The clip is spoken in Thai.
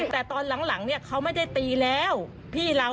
แต่ตอนหลังเนี่ยเขาไม่ได้ตีแล้วพี่เรา